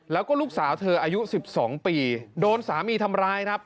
แล้วก็ลูกสาวเธออายุ๑๒ปีโดนสามีทำร้ายครับ